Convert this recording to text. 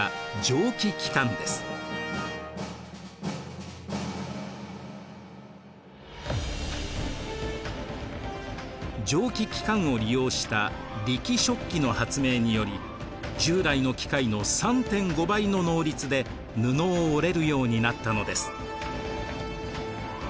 蒸気機関を利用した力織機の発明により従来の機械の３．５倍の能率で布を織れるようになったのです。